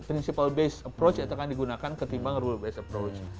principle based approach yang terkait digunakan ketimbang rule based approach